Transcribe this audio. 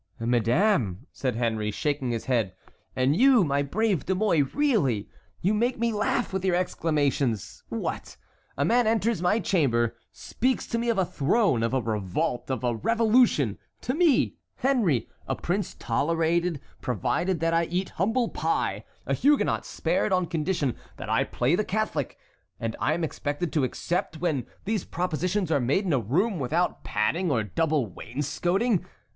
"Madame," said Henry, shaking his head, "and you, my brave De Mouy, really, you make me laugh with your exclamations. What! a man enters my chamber, speaks to me of a throne, of a revolt, of a revolution, to me, Henry, a prince tolerated provided that I eat humble pie, a Huguenot spared on condition that I play the Catholic; and I am expected to accept, when these propositions are made in a room without padding or double wainscoting!